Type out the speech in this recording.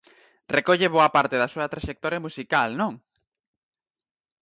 Recolle boa parte da súa traxectoria musical, non?